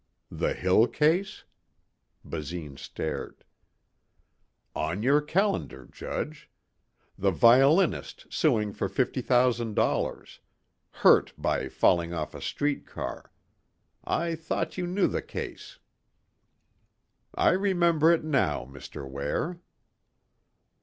"The Hill case?" Basine stared. "On your calendar, Judge. The violinist suing for $50,000. Hurt by falling off a street car. I thought you knew the case." "I remember it now, Mr. Ware."